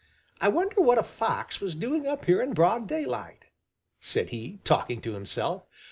"I wonder what a fox was doing up here in broad daylight," said he, talking to himself.